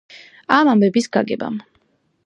ამ ამბების გაგებამ.